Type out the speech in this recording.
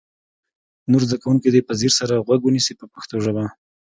نور زده کوونکي دې په ځیر سره غوږ ونیسي په پښتو ژبه.